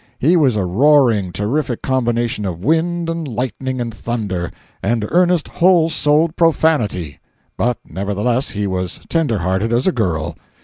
He was a roaring, terrific combination of wind and lightning and thunder, and earnest, whole souled profanity. But nevertheless he was tender hearted as a girl.